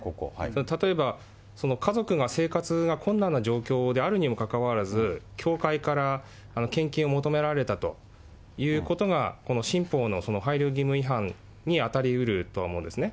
例えば、家族が生活が困難な状況であるにもかかわらず、教会から献金を求められたということが、この新法の配慮義務違反に当たりうるとは思うんですね。